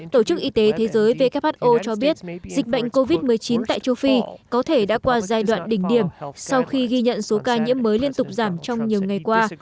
tổ chức y tế thế giới who cho biết dịch bệnh covid một mươi chín tại châu phi có thể đã qua giai đoạn đỉnh điểm sau khi ghi nhận số ca nhiễm mới liên tục giảm trong nhiều ngày qua